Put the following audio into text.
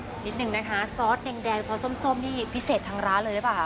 นิดหนึ่งนะคะซอสแดงซอสส้มนี่พิเศษทั้งร้านเลยใช่ป่ะ